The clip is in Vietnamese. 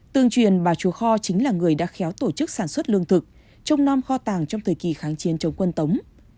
tương truyền bà chúa kho chính là người đã khéo tổ chức sản xuất lương thực trong non kho tàng trong thời kỳ kháng chiến chống quân tống